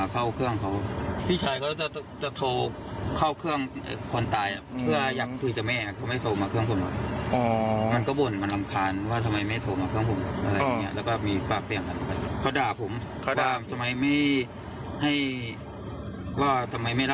ก็บอกว่าทำไมไม่รับโทรศัพท์พี่ชายอะไรอย่างเงี้ย